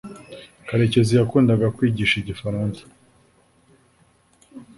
karekezi yakundaga kwigisha igifaransa